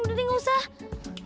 udah deh gak usah